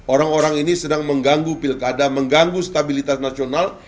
orang orang ini sedang mengganggu pilkada mengganggu stabilitas nasional